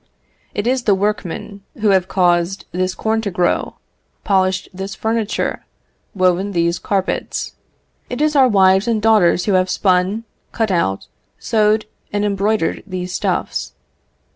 It is the workmen who have caused this corn to grow, polished this furniture, woven these carpets; it is our wives and daughters who have spun, cut out, sewed, and embroidered these stuffs.